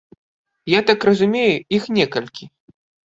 Я так разумею, іх некалькі.